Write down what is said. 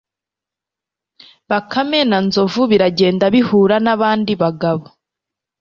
bakame na nzovu biragenda, bihura n'abandi bagaboo